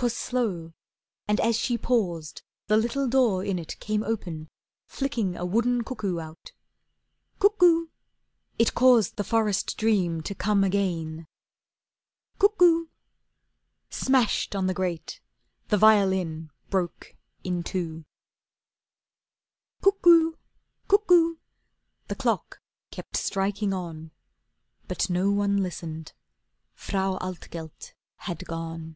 'Twas slow, and as she paused The little door in it came open, flicking A wooden cuckoo out: "Cuckoo!" It caused The forest dream to come again. "Cuckoo!" Smashed on the grate, the violin broke in two. "Cuckoo! Cuckoo!" the clock kept striking on; But no one listened. Frau Altgelt had gone.